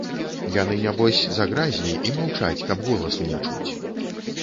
Яны нябось загразлі і маўчаць, каб голасу не чуць.